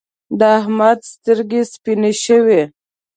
د احمد سترګې سپينې شوې.